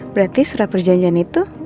berarti surat perjanjian itu